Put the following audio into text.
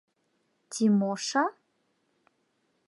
Тимоша?